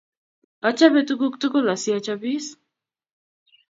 Achope tuguk tugul si achopis.